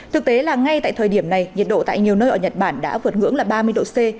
thực tế là ngay tại thời điểm này nhiệt độ tại nhiều nơi ở nhật bản đã vượt ngưỡng là ba mươi độ c